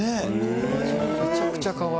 めちゃくちゃかわいい。